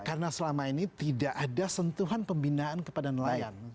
karena selama ini tidak ada sentuhan pembinaan kepada nelayan